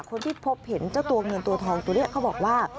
คนที่พบเห็นเจ้าตัวเงินตัวทองตัวนี้เขาบอกว่า